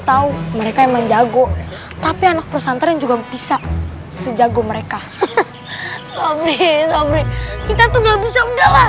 tahu mereka yang menjago tapi anak prosantren juga bisa sejago mereka kita tuh nggak bisa